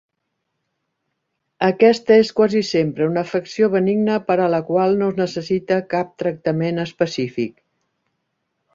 Aquesta és quasi sempre una afecció benigna per a la qual no es necessita cap tractament específic.